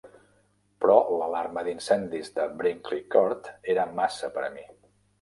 Però l'alarma d'incendis de Brinkley Court era massa per a mi.